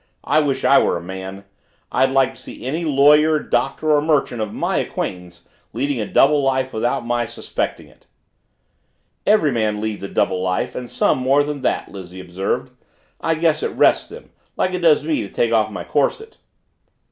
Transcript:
"I wish I were a man. I'd like to see any lawyer, Doctor, or merchant of my acquaintance leading a double life without my suspecting it." "Every man leads a double life and some more than that," Lizzie observed. "I guess it rests them, like it does me to take off my corset."